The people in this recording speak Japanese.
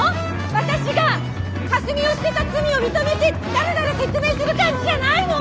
私がかすみを捨てた罪を認めてだらだら説明する感じじゃないの？